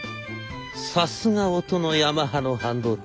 「さすが音のヤマハの半導体。